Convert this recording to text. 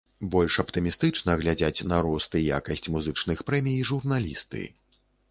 Больш аптымістычна глядзяць на рост і якасць музычных прэмій журналісты.